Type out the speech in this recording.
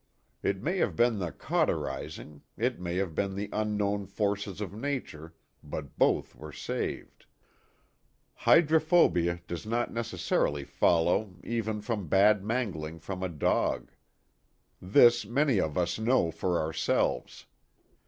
It may have been the cauterizing, it may have been the unknown forces of nature, but both were saved. Hydrophobia does not necessarily fol low even from bad mangling from a dog. This many of us know for ourselves.